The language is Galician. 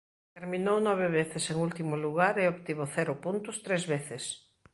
Terminou nove veces en último lugar e obtivo "cero puntos" tres veces.